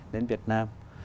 đến việt nam